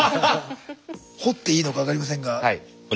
掘っていいのか分かりませんが。